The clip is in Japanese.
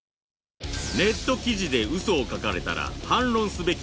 ネット記事で嘘を書かれたら反論すべきか？